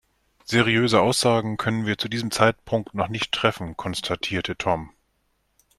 Seriöse Aussagen können wir zu diesem Zeitpunkt noch nicht treffen, konstatierte Tom.